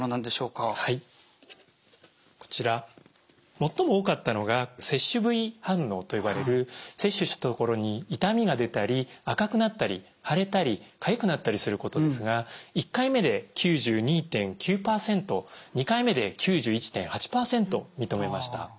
最も多かったのが接種部位反応と呼ばれる接種した所に痛みが出たり赤くなったり腫れたりかゆくなったりすることですが１回目で９２．９％２回目で９１．８％認めました。